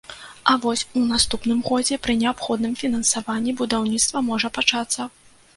А вось у наступным годзе, пры неабходным фінансаванні, будаўніцтва можа пачацца.